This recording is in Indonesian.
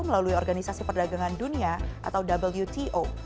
melalui organisasi perdagangan dunia atau wto